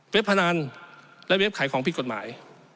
พนันและเว็บขายของผิดกฎหมาย